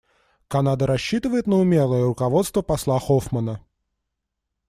Канада рассчитывает на умелое руководство посла Хоффмана.